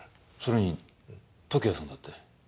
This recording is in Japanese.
それに時矢さんだって。